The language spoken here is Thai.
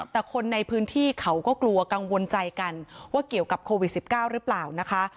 แต่คนในพื้นที่เขาก็กลัวกังวลใจกันว่าเกี่ยวกับโควิด๑๙หรือเปล่านะคะ